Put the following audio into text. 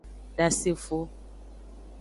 Dasefo.